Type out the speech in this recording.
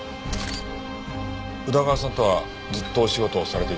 宇田川さんとはずっとお仕事をされていたんですか？